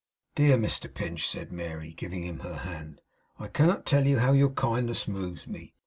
'Dear Mr Pinch!' said Mary, giving him her hand; 'I cannot tell you how your kindness moves me.